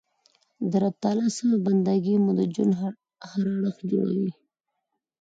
د رب تعالی سمه بنده ګي مو د ژوند هر اړخ جوړوي.